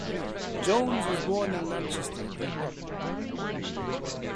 Jones was born in Manchester, England.